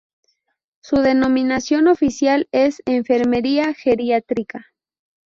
Su denominación oficial es "enfermería geriátrica".